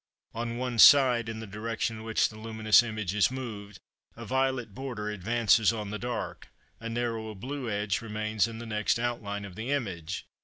On one side, in the direction in which the luminous image is moved, a violet border advances on the dark, a narrower blue edge remains next the outline of the image.